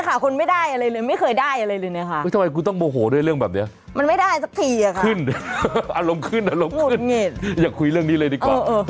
มันไม่ได้สักทีค่ะขึ้นอารมณ์ขึ้นอยากคุยเรื่องนี้เลยดีกว่า